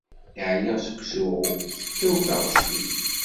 Ɛyiɣ seg usuɣu, tekkaw taɣect-iw.